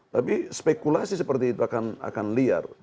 tapi spekulasi seperti itu akan liar